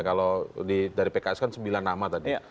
kalau dari pks kan sembilan nama tadi